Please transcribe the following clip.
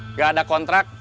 nggak ada kontrak